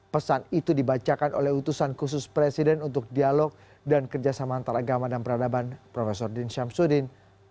pesan itu dibacakan oleh utusan khusus presiden untuk dialog dan kerjasama antaragama dan peradaban prof din syamsuddin